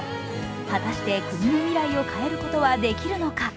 果たして国の未来を変えることはできるのか。